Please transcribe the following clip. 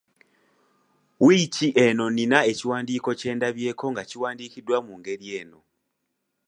Wiiki eno nnina ekiwandiiko kye ndabyeko nga kiwandiikiddwa mu ngeri eno.